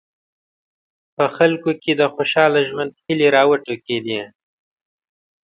په خلکو کې د خوشاله ژوند هیلې راوټوکېدې.